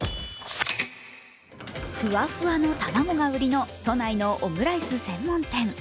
ふわふわの卵が売りの都内のオムライス専門店。